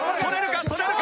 捕れるか？